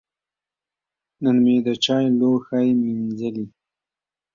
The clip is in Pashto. نن مې د چای لوښی مینځلي.